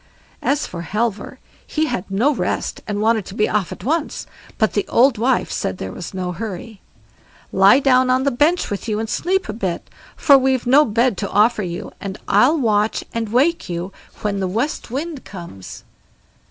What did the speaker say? As for Halvor, he had no rest, and wanted to be off at once, but the old wife said there was no hurry. "Lie down on the bench with you and sleep a bit, for we've no bed to offer you, and I'll watch and wake you when the West Wind comes."